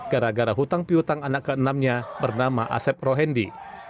gara gara hutang pihutang anak ke enam nya bernama asep rohendi